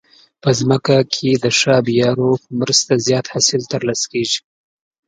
په ځمکه کې د ښه آبيارو په مرسته زیات حاصل ترلاسه کیږي.